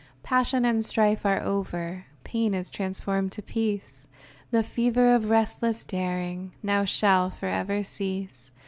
Passion and strife are over ; Pain is transformed to peace, The fever of restless daring Now shall forever cease.